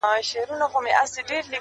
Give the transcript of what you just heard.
یا زما سرمده خویه لیونیهغزل